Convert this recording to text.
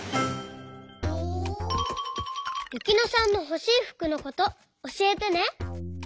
ゆきのさんのほしいふくのことおしえてね。